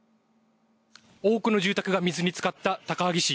多くの住宅が水につかった高萩市。